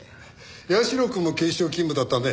社くんも警視庁勤務だったね。